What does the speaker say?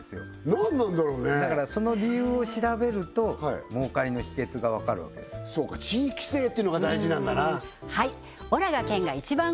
何なんだろうねだからその理由を調べると儲かりの秘けつが分かるわけですそうか地域性ってのが大事なんだな